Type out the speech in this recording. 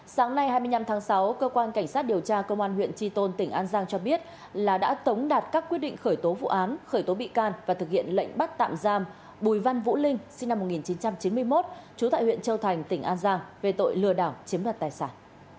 sáng nay hai mươi năm tháng sáu cơ quan cảnh sát điều tra công an huyện tri tôn tỉnh an giang cho biết là đã tống đạt các quyết định khởi tố vụ án khởi tố bị can và thực hiện lệnh bắt tạm giam bùi văn vũ linh sinh năm một nghìn chín trăm chín mươi một trú tại huyện châu thành tỉnh an giang về tội lừa đảo chiếm đoạt tài sản